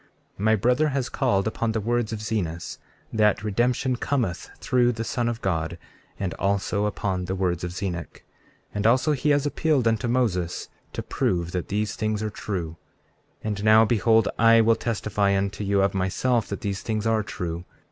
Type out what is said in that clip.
34:7 My brother has called upon the words of Zenos, that redemption cometh through the Son of God, and also upon the words of Zenock; and also he has appealed unto Moses, to prove that these things are true. 34:8 And now, behold, I will testify unto you of myself that these things are true.